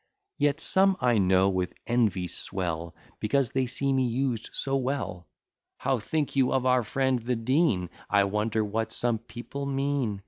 Yet some I know with envy swell, Because they see me used so well: "How think you of our friend the Dean? I wonder what some people mean!